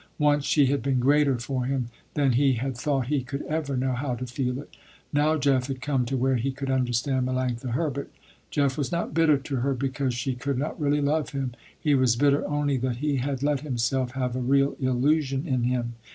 Once she had been greater for him than he had thought he could ever know how to feel it. Now Jeff had come to where he could understand Melanctha Herbert. Jeff was not bitter to her because she could not really love him, he was bitter only that he had let himself have a real illusion in him.